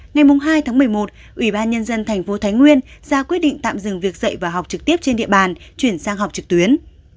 ngày hai tháng một mươi một ủy ban nhân dân thành phố thái nguyên ra quyết định tạm dừng việc dạy và học trực tiếp trên địa bàn chuyển sang học trực tuyến